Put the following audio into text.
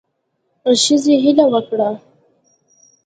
ښځې هیله وکړه